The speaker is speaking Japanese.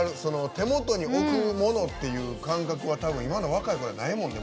手元に置くものって感覚は今の若い子にはないもんね。